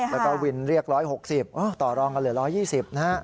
แล้วก็วินเรียก๑๖๐ต่อรองกันเหลือ๑๒๐นะฮะ